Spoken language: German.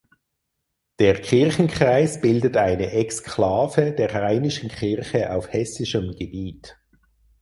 Der Kirchenkreis bildet eine Exklave der Rheinischen Kirche auf hessischem Gebiet.